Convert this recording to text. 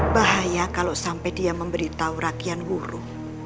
bahaya kalau sampai dia memberitahu rakyat huruf